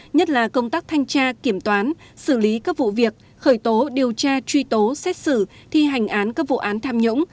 nhất là công tác thanh tra kiểm toán xử lý các vụ việc khởi tố điều tra truy tố xét xử thi hành án các vụ án tham nhũng